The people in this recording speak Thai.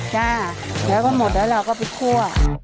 จ้าแล้วก็หมดแล้วเราก็ไปคั่ว